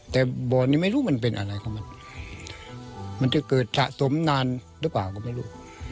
แต่บ่อนี้ไม่รู้มันเป็นอะไรของมันมันจะเกิดสะสมนานหรือเปล่าก็ไม่รู้